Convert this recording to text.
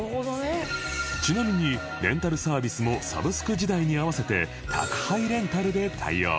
ちなみにレンタルサービスもサブスク時代に合わせて宅配レンタルで対応